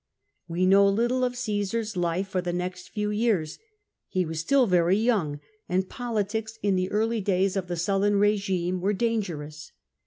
We know little of Caesar's life for the next few years. He was still very young, and politics in the earlier days of the Sullan regime were dangerous.